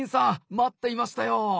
待っていましたよ。